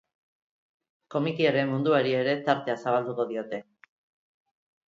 Komikiaren munduari ere tartea zabalduko diote.